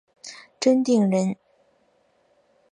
真定人。